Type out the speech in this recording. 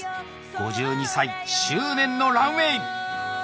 ５２歳執念のランウェイ！